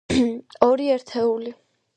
ორი ერთეული.